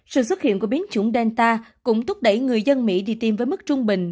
sự xuất hiện của biến chủng delta cũng thúc đẩy người dân mỹ đi tiêm với mức trung bình